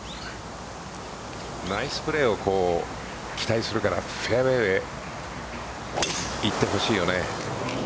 ナイスプレーを期待するからフェアウエーいってほしいよね。